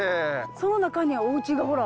その中にはおうちがほら。